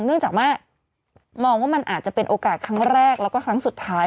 เนื่องจากว่ามองว่ามันอาจจะเป็นโอกาสครั้งแรกแล้วก็ครั้งสุดท้าย